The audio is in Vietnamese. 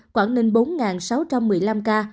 quảng ninh bốn sáu trăm một mươi năm ca